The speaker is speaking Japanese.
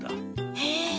へえ。